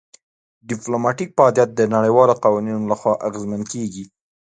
ډیپلوماتیک فعالیت د نړیوالو قوانینو لخوا اغیزمن کیږي